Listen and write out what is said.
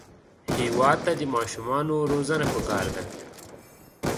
هېواد ته د ماشومانو روزنه پکار ده